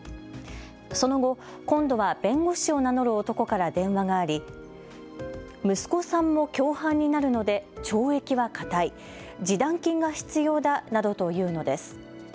その後、今度は弁護士を名乗る男から電話があり息子さんも共犯になるので懲役はかたい、示談金が必要だなどと言うのです。